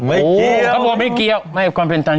ไม่ตัดไม่ตัดไม่ตัดไม่ตัด